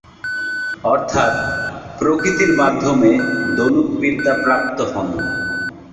অর্থাৎ প্রতিকৃতির মাধ্যমে ধনুক বিদ্যা প্রাপ্ত হন।